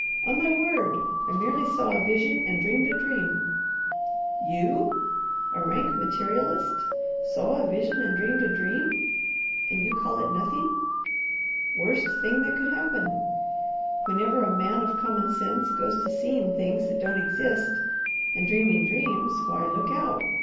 On my word! I merely saw a vision and dreamed a dream." "You! A rank materialist! Saw a vision and dreamed a dream! And you call it nothing. Worst thing that could happen! Whenever a man of common sense goes to seeing things that don't exist, and dreaming dreams, why look out!